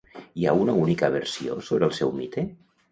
Hi ha una única versió sobre el seu mite?